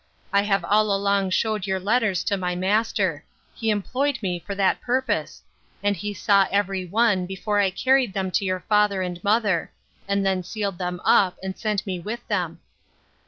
I have all along shewed your letters to my master: He employed me for that purpose; and he saw every one, before I carried them to your father and mother; and then scaled them up, and sent me with them.